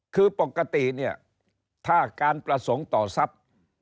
คือปกติเนี่ยถ้าการประสงค์ต่อทรัพย์